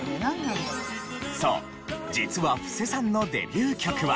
そう実は布施さんのデビュー曲は。